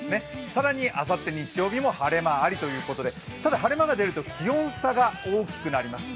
更にあさって日曜日も晴れ間ありということでただ、晴れ間が出ると気温差が大きくなります。